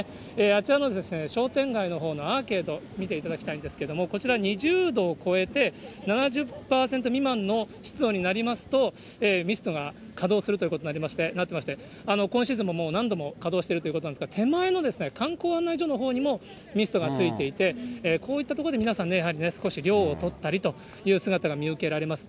あちらの商店街のほうのアーケード、見ていただきたいんですけれども、こちら、２０度を超えて、７０％未満の湿度になりますと、ミストが稼働するということになっていまして、今シーズンももう何度も稼働しているということなんですが、手前の観光案内所のほうにもミストがついていて、こういった所で皆さんね、やはり少し涼をとったりという姿が見受けられます。